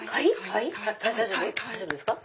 大丈夫ですか？